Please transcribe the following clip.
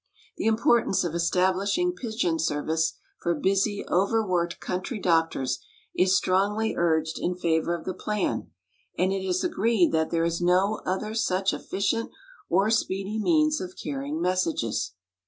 The importance of establishing pigeon service for busy, overworked country doctors is strongly urged in favor of the plan, and it is agreed that there is no other such efficient or speedy means of carrying messages.